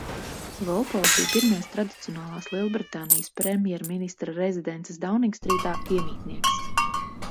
Volpols bija pirmais tradicionālās Lielbritānijas premjerministra rezidences Dauningstrītā iemītnieks.